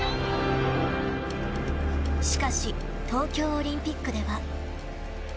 しかし、東京オリンピックでは。